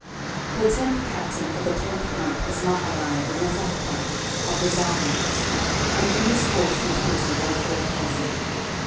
13:027:013 The tenth captain for the tenth month was Maharai the Netophathite, of the Zarhites: and in his course were twenty and four thousand.